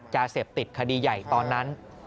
ยาเสพติดคดีใหญ่ตอนนั้น